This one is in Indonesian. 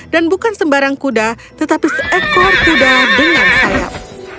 dan bukan sembarang kuda tetapi seekor kuda dengan sayap